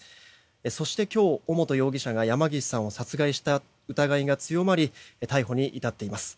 そして、今日尾本容疑者が山岸さんを殺害した疑いが強まり逮捕に至っています。